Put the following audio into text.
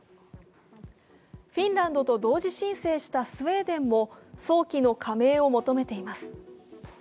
フィンランドと同時申請したスウェーデンも早期の加盟を求めています。